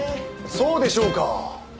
そうでしょうか。